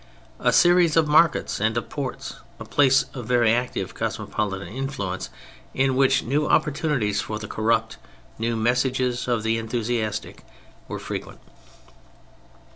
] a series of markets and of ports, a place of very active cosmopolitan influence, in which new opportunities for the corrupt, new messages of the enthusiastic, were frequent.